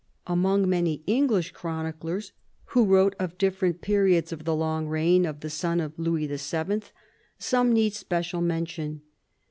Among many English chroniclers who wrote of different periods of the long reign of the son of Louis VII. some need special mention.